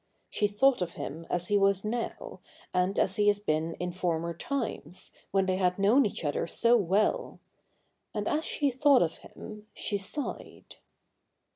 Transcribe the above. She thought of him as he was now, and as he had been in former times, when they had known each other so well ; and as she thought of him, she sighed.